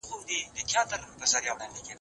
پوهه لرو.